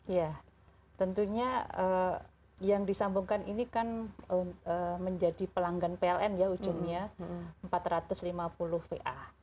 ya tentunya yang disambungkan ini kan menjadi pelanggan pln ya ujungnya empat ratus lima puluh va